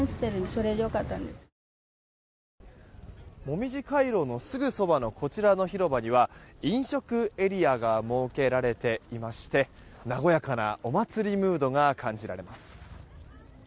もみじ回廊のすぐそばのこちらの広場には飲食エリアが設けられていまして和やかなお祭りムードが感じられます。